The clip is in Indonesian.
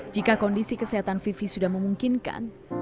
jika kondisi kesehatan vivi sudah memungkinkan